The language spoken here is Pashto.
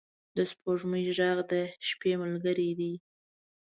د سپوږمۍ ږغ د شپې ملګری دی.